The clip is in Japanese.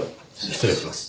失礼します。